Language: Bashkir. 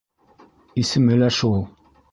Исеме лә шул...